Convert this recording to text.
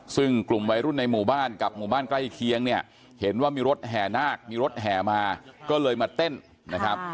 ซึ่งกลุ่มวัยรุ่นในหมู่บ้านกับหมู่บ้านใกล้เคียงเนี่ยเห็นว่ามีรถแห่นาคมีรถแห่มาก็เลยมาเต้นนะครับ